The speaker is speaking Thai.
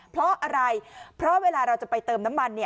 เพราะอะไรเพราะเวลาเราจะไปเติมน้ำมัน